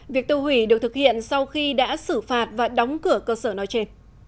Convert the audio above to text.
việc tiêu hủy được thực hiện sau khi đã xử phạt và đóng cửa cơ sở nói trên